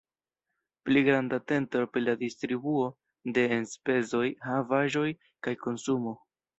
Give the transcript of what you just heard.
Pli granda atento pri la distribuo de enspezoj, havaĵoj kaj konsumo.